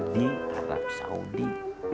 di arab saudi